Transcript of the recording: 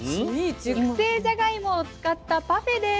熟成じゃがいもを使ったパフェです。